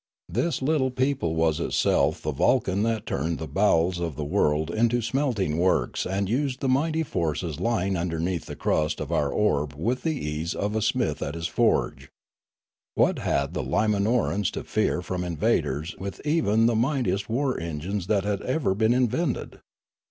This little people was itself the Vulcan that turned the bowels of the world into sinelting works and used the mighty forces lying underneath the crust of our orb with the ease of a smith at his forge. What bad the Limanorans to fear from invaders with even the mightiest war engines that had ever been invented